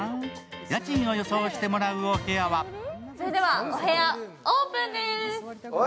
家賃を予想してもらうお部屋はそれではお部屋、オープンです。